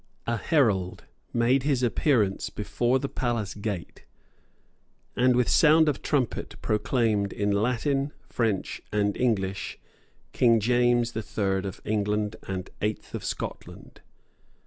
A herald made his appearance before the palace gate, and, with sound of trumpet, proclaimed, in Latin, French and English, King James the Third of England and Eighth of Scotland.